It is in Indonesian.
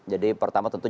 jadi pertama tentu